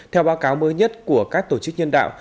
theo báo cáo mới nhất của các tổ chức nhân đạo